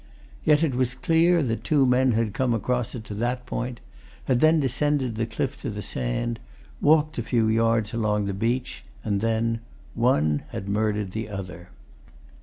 Yet it was clear that two men had come across it to that point, had then descended the cliff to the sand, walked a few yards along the beach, and then one had murdered the other.